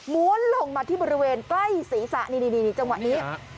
้วนลงมาที่บริเวณใกล้ศีรษะนี่จังหวะนี้